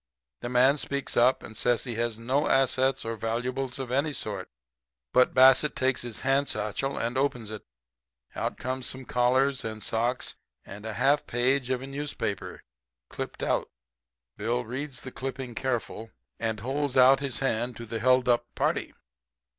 "The man speaks up and says he has no assets or valuables of any sort. But Bassett takes his hand satchel and opens it. Out comes some collars and socks and a half a page of a newspaper clipped out. Bill reads the clipping careful, and holds out his hand to the held up party.